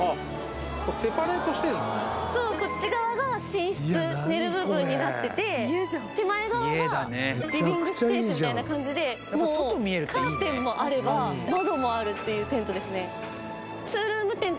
そうこっち側が寝室寝る部分になってて手前側がリビングスペースみたいな感じでもうカーテンもあれば窓もあるっていうテントですね